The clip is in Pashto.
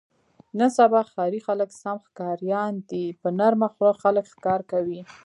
نن سبا ښاري خلک سم ښکاریان دي. په نرمه خوله خلک ښکار کوي.